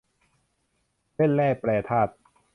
เล่นแร่แปรธาตุ